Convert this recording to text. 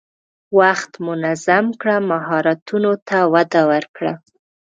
وخت منظم کړه، مهارتونو ته وده ورکړه.